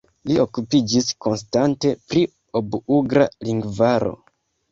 Li okupiĝis konstante pri Ob-ugra lingvaro.